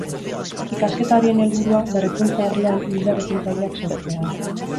Ikasketa horien helburua, berrikuntza arloan lider ekintzaileak sortzea da.